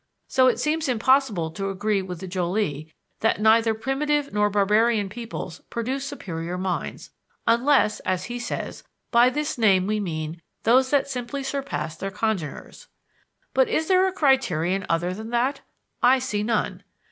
So it seems impossible to agree with Joly that neither primitive nor barbarian peoples produce superior minds, "unless," as he says, "by this name we mean those that simply surpass their congeners." But is there a criterion other than that? I see none.